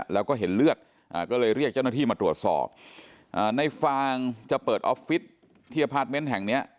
แล้วก็เห็นเลือดก็เลยเรียกเจ้าหน้าที่มาตรวจสอบในฟางจะเปิดออฟฟิศที่อพาร์ทเมนต์แห่งเนี้ย